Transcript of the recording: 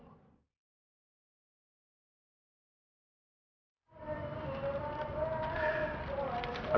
tidak ada yang bisa dikawal